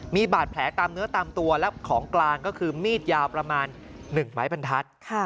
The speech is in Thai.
มีบาดแผลตามเนื้อตามตัวและของกลางก็คือมีดยาวประมาณ๑ไม้บรรทัศน์